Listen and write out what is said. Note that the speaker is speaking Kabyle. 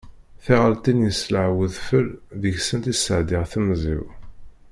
Tiɣaltin yesleɣ wedfel, deg-sent i sɛeddaɣ temẓi-w.